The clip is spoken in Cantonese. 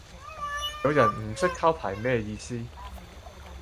有人唔識抄牌咩意思